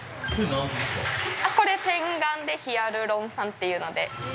これ点眼でヒアルロン酸というので。